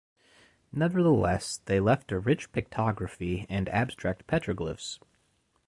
Nevertheless, they left a rich pictography and abstract petroglyphs.